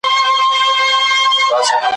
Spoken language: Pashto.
هم خوښي او هم غمونه په ژوندون کي سي راتللای ,